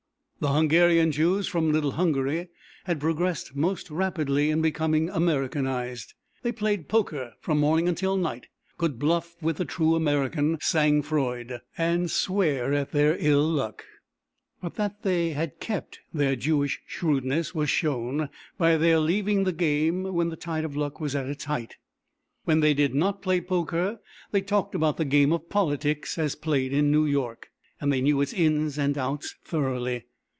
The Hungarian Jews from "Little Hungary" had progressed most rapidly in becoming Americanized. They played poker from morning until night, could bluff with the true American "sang froid," and swear at their ill luck; but that they had kept their Jewish shrewdness was shown by their leaving the game when the tide of luck was at its height. When they did not play poker they talked about the game of politics as played in New York, and they knew its ins and outs thoroughly.